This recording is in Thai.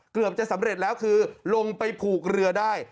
เกือบจะสำเร็จแล้วคือลงไปผูกเรือได้